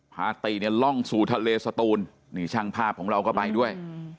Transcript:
ติเนี่ยล่องสู่ทะเลสตูนนี่ช่างภาพของเราก็ไปด้วย